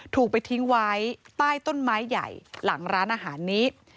ถูกไปทิ้งไว้ใต้ต้นไม้ใหญ่หลังร้านอาหารนี้